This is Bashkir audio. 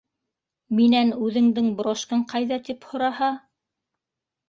Минән үҙеңдең брошкаң ҡайҙа тип һораһа?!